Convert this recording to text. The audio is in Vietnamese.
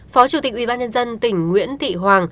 phó chủ tịch ubnd tỉnh nguyễn thu hồ